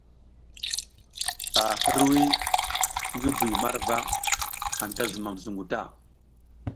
A hirwuy ngi bi marwa, anta zumam zungu ta.